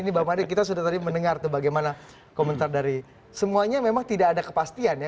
ini bang madri kita sudah tadi mendengar tuh bagaimana komentar dari semuanya memang tidak ada kepastian ya